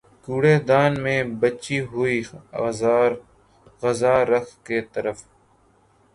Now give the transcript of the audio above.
کوڑے دان میں بچی ہوئی غذا رکھ کر صرف